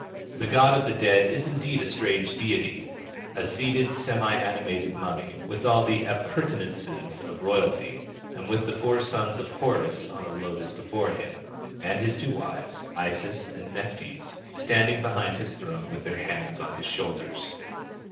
The God of the Dead is indeed a strange deity, a seated semi animated mummy, with all the appurtenances of royalty, and with the four sons of Horus on a lotus before him, and his two wives, Isis and Nephthys, standing behind his throne with their hands on his shoulders.